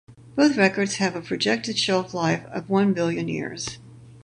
Both records have a projected shelf life of one billion years.